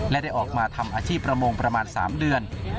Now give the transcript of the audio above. และได้ออกมาทำอาชีพประมงประมาณ๓เดือน